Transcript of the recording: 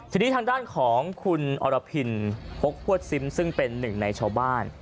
ทีนี้ทางด้านของคุณอรพินพกพวดซิมซึ่งเป็นหนึ่งในชาวบ้าน